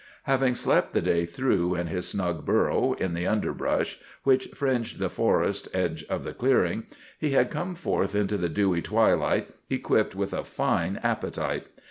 Having slept the day through in his snug burrow, in the underbrush which fringed the forest edge of the clearing, he had come forth into the dewy twilight equipped with a fine appetite.